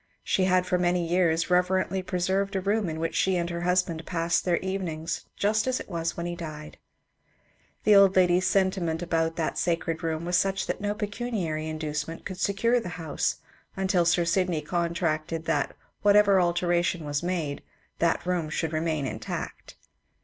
She had for many years reverently preserved a room in which she and her husband passed their evenings just as it was when he died. The old lady's sentiment about that sacred room was such that no pecuniary inducement could secure the house until Sir Syd ney contracted that whatever alteration was made, that room should remain intact.